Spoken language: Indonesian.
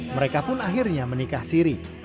mereka pun akhirnya menikah siri